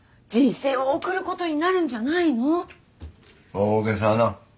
大げさな。